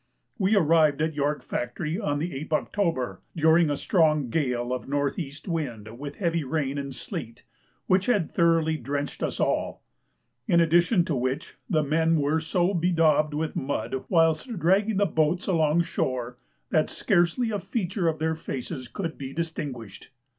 We arrived at York Factory on the 8th October, during a strong gale of north east wind with heavy rain and sleet, which had thoroughly drenched us all; in addition to which the men were so bedaubed with mud whilst dragging the boats along shore, that scarcely a feature of their faces could be distinguished.